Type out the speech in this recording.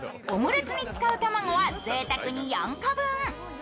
オムレツに使うたまごはぜいたくに４個分。